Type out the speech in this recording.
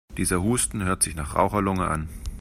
Dieser Husten hört sich nach Raucherlunge an.